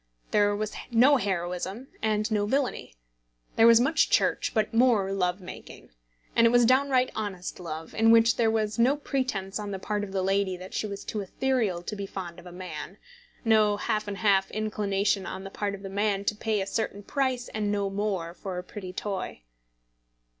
There was no heroism and no villainy. There was much Church, but more love making. And it was downright honest love, in which there was no pretence on the part of the lady that she was too ethereal to be fond of a man, no half and half inclination on the part of the man to pay a certain price and no more for a pretty toy.